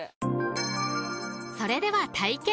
［それでは体験］